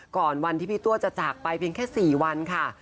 ก่อนวันที่พี่ตัวจะจากไปเพียงแค่๔วันค่ะ